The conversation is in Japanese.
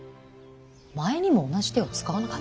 前にも同じ手を使わなかった？